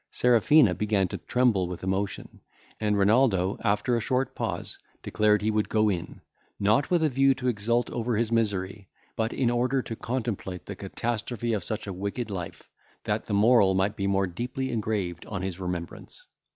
Serafina began to tremble with emotion; and Renaldo, after a short pause, declared he would go in, not with a view to exult over his misery, but in order to contemplate the catastrophe of such a wicked life, that the moral might be the more deeply engraved on his remembrance.